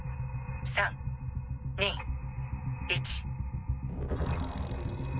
３２１。